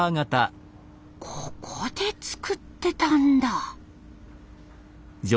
ここで作ってたんだ。